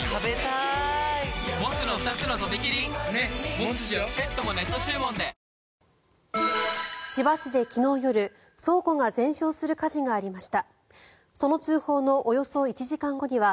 三井不動産千葉市で昨日夜倉庫が全焼する火事がありました。